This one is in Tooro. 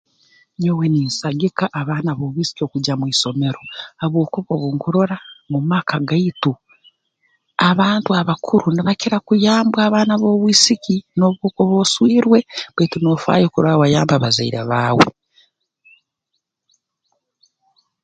Nyowe ninsagika abaana b'obwisiki okugya mu isomero habwokuba obu nkurora mu maka gaitu abantu abakuru nibakira kuyambwa abaana b'obwisiki n'obu okuba oswirwe baitu noofaayo kurora wayamba abazaire baawe